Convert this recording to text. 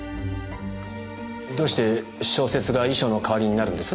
どうして小説が遺書の代わりになるんです？